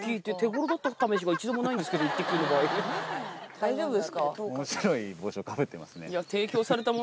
大丈夫ですか？